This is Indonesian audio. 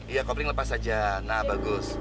iya kopling lepas saja nah bagus